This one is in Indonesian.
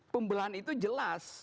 pembelahan itu jelas